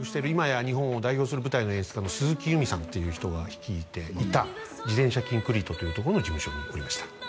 今や日本を代表する舞台の演出家の鈴木裕美さんっていう人が率いていた「自転車キンクリート」というところの事務所におりました